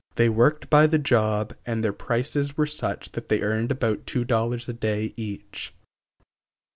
They worked by the job and their prices were such that they earned about two dollars a day each.